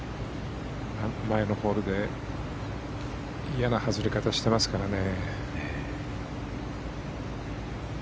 前のホールで嫌な外れ方してますからね。